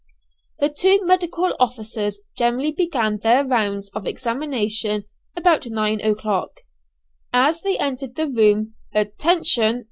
The two medical officers generally began their rounds of examination about nine o'clock. As they entered the room "Attention!"